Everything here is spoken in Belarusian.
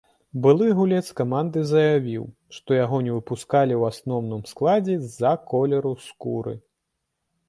Былы гулец каманды заявіў, што яго не выпускалі ў асноўным складзе з-за колеру скуры.